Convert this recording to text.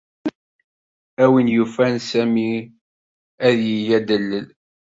A win yufan, Sami ad yeg adellel.